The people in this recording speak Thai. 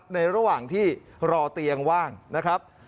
ในระหว่างที่รอเตียงว่างนะครับ